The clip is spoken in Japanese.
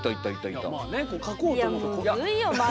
いやまあね描こうと思うと。